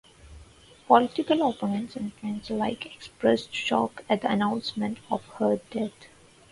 Political opponents and friends alike expressed shock at the announcement of her death.